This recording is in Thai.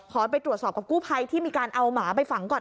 ไปตรวจสอบกับกู้ภัยที่มีการเอาหมาไปฝังก่อน